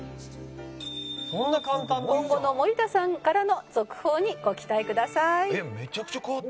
「今後の森田さんからの続報にご期待ください」